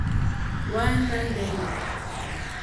Wàná ndɛ́nɛ̀.